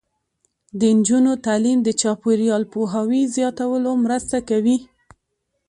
د نجونو تعلیم د چاپیریال پوهاوي زیاتولو مرسته کوي.